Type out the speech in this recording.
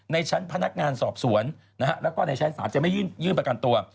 ในชั้นพนักงานสอบสวนนะฮะแล้วก็ในชั้นศาลจะไม่ยื่นประกันตัว